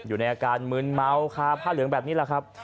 อยู่ในอาการมืนเมาคาผ้าเหลืองแบบนี้แหละครับ